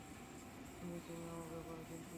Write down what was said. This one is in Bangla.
তবে, তুমি আমার ব্যাপারে চিন্তিত?